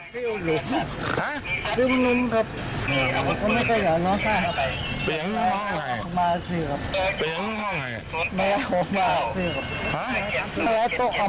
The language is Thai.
เป็นชื่อครับร้องไห้ทำไมไม่ได้มีอะไรหรอกครับ